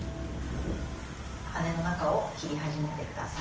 羽の中を切り始めて下さい。